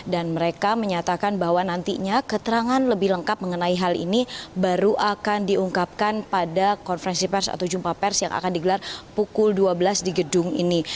dan apakah sudah ada informasi lengkap mengenai hal ini baru akan diungkapkan pada konferensi pers atau jumpa pers yang akan digelar pukul dua belas di gedung ini